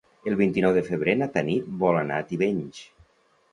El vint-i-nou de febrer na Tanit vol anar a Tivenys.